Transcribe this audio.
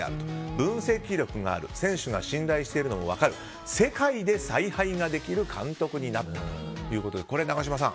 分析力がある選手が信頼しているのも分かる世界で采配ができる監督になったということで永島さん